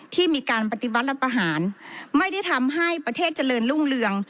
ที่มีการปฏิวัติรับประหารไม่ได้ทำให้ประเทศเจริญรุ่งเรือง